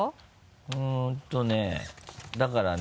うんとねだからね。